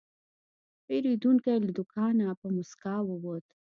پیرودونکی له دوکانه په موسکا ووت.